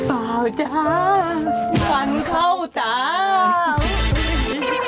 เปล่าจ้าฝันเข้าตา